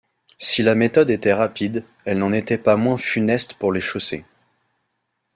Si la méthode était rapide, elle n’en était pas moins funeste pour les chaussées.